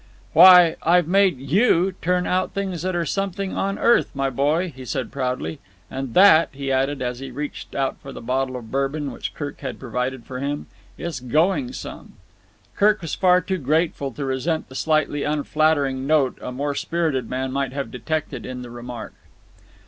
"Why, I've made you turn out things that are like something on earth, my boy," he said proudly. "And that," he added, as he reached out for the bottle of Bourbon which Kirk had provided for him, "is going some." Kirk was far too grateful to resent the slightly unflattering note a more spirited man might have detected in the remark.